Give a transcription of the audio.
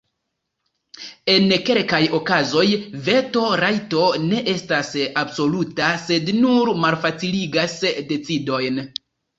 En kelkaj okazoj veto-rajto ne estas absoluta, sed nur malfaciligas decidojn.